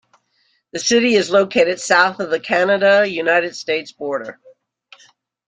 The city is located south of the Canada-United States border.